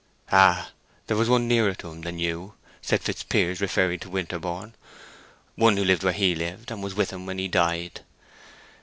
"Ah! there was one nearer to him than you," said Fitzpiers, referring to Winterborne. "One who lived where he lived, and was with him when he died."